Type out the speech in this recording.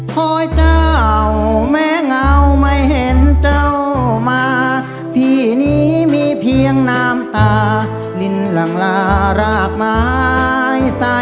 คอยเจ้าแม้เงาไม่เห็นเจ้ามาพี่นี้มีเพียงน้ำตาลินหลังลารากไม้ใส